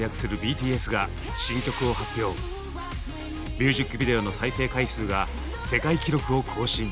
ミュージックビデオの再生回数が世界記録を更新！